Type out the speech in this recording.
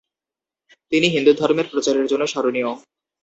তিনি হিন্দু ধর্মের প্রচারের জন্য স্মরণীয়।